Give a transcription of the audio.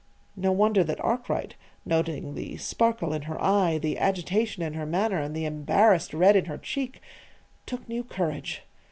No wonder that Arkwright, noting the sparkle in her eye, the agitation in her manner, and the embarrassed red in her cheek, took new courage.